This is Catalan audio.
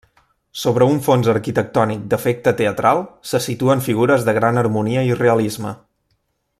Sobre un fons arquitectònic d'efecte teatral se situen figures de gran harmonia i realisme.